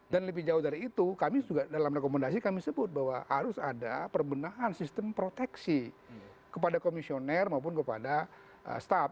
dan lebih jauh dari itu kami juga dalam rekomendasi kami sebut bahwa harus ada perbenahan sistem proteksi kepada komisioner maupun kepada staff